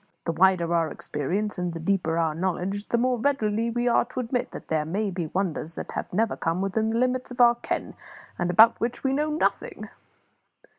The wider our experience, and the deeper our knowledge, the more ready are we to admit that there may be many wonders that have never come within the limits of our ken, and about which we know nothing.